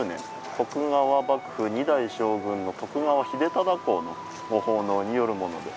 徳川幕府２代将軍の徳川秀忠公のご奉納によるものです。